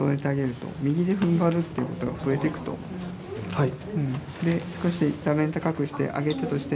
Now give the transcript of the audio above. はい。